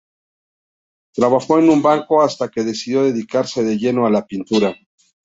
Trabajó en un banco hasta que decidió dedicarse de lleno a la pintura.